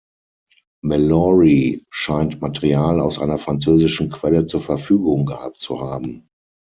Malory scheint Material aus einer französischen Quelle zur Verfügung gehabt zu haben.